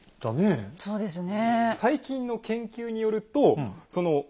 そうですね。